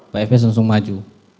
pak efes langsung maju